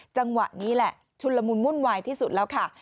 จังหวะนี้แหละชุนละมุนวุ่นวายที่สุดแล้วค่ะ